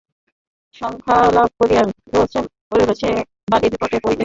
সংজ্ঞালাভ করিয়া রমেশ দেখিল, সে বালির তটে পড়িয়া আছে।